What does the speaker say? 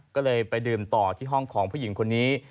ก็เลยไปดื่มต่อที่ห้องของผู้หญิงคนนี้